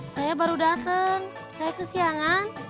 saya baru datang saya kesiangan